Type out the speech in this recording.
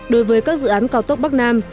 đối với các dự án cao tốc bắc nam